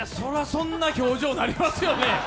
そんな表情になりますよね。